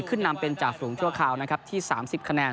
ขึ้นนำเป็นจ่าฝูงชั่วคราวนะครับที่๓๐คะแนน